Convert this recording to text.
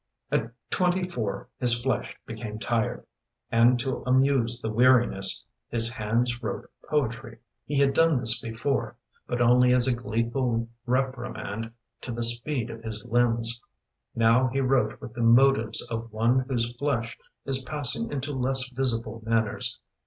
At twenty four his flesh became tired, And to amuse the weariness His hands wrote poetry. He had done this before, But only as a gleeful reprimand To the speed of his limbs. Now he wrote with the motives of one Whose flesh is passing into less visible manners.